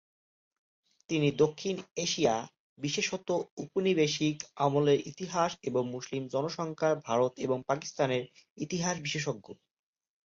তিনি দক্ষিণ এশিয়া, বিশেষত উপনিবেশিক আমলের ইতিহাস এবং মুসলিম জনসংখ্যার ভারত এবং পাকিস্তানের ইতিহাস বিশেষজ্ঞ।